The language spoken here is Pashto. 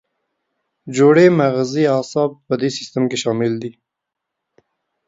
جوړې مغزي اعصاب په دې سیستم کې شامل دي.